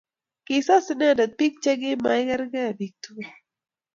kisas inendet biik che kima ikerkei biik tugul